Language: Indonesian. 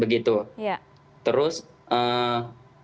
begitu begitu begitu